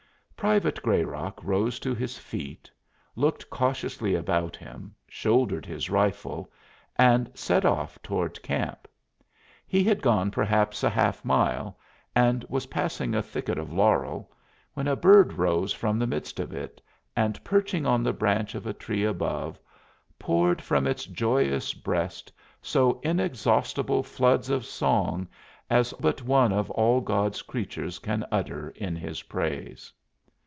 Private Grayrock rose to his feet, looked cautiously about him, shouldered his rifle and set off toward camp. He had gone perhaps a half mile, and was passing a thicket of laurel, when a bird rose from the midst of it and perching on the branch of a tree above, poured from its joyous breast so inexhaustible floods of song as but one of all God's creatures can utter in His praise.